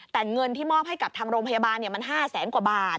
แต่เงินที่มอบให้กับทางโรงพยาบาลมัน๕แสนกว่าบาท